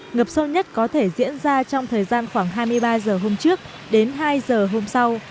ngập sâu nhất có thể diễn ra trong thời gian khoảng hai mươi ba h hôm trước đến hai giờ hôm sau